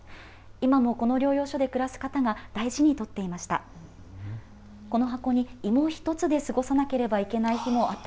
今もこの療養所で暮らす方が大事に取っていました。